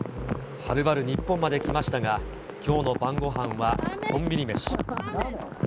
はるばる日本まで来ましたが、きょうの晩ご飯はコンビニ飯。